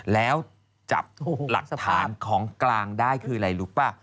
แล้วจับหลักฐานของกลางได้คืออะไรรู้ป่ะ